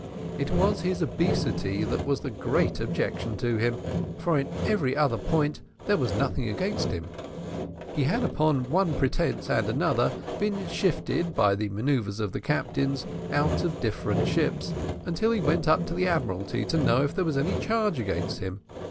It was his obesity that was the great objection to him, for in every other point there was nothing against him. He had, upon one pretence and another, been shifted, by the manoeuvres of the captains, out of different ships, until he went up to the Admiralty to know if there was any charge against him.